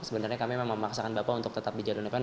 sebenarnya kami memang memaksakan bapak untuk tetap di jalur depan